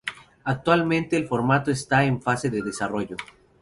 Actualmente el formato está en fase de desarrollo.